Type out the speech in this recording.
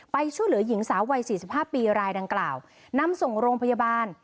ช่วยเหลือหญิงสาววัย๔๕ปีรายดังกล่าวนำส่งโรงพยาบาล